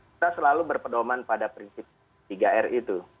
kita selalu berpedoman pada prinsip tiga r itu